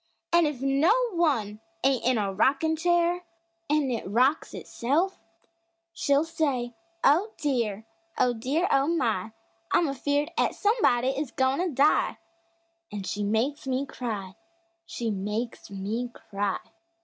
An' if no one ain't in a rockin' chair An' it rocks itself, she'll say: "Oh, dear! Oh, dear! Oh, my! I'm afeared 'at somebody is goin' to die!" An' she makes me cry She makes me cry!